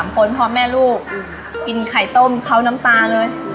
คนพ่อแม่ลูกกินไข่ต้มเขาน้ำตาเลย